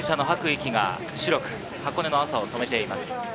吐く息が白く、箱根の朝を染めています。